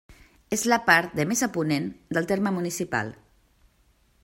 És a la part de més a ponent del terme municipal.